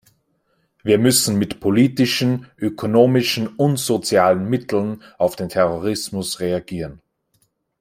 Wir müssen mit politischen, ökonomischen und sozialen Mitteln auf den Terrorismus reagieren.